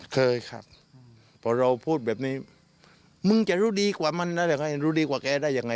เคยครับเราพูดแบบนี้มึงจะรู้ดีกว่ามันนะรู้ดีกว่าได้ยังไง